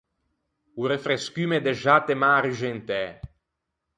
O refrescumme de xatte mâ arruxentæ.